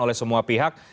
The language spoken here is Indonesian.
oleh semua pihak